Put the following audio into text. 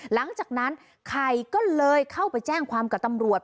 หลังจากนั้นไข่ก็เลยเข้าไปแจ้งความกับตำรวจ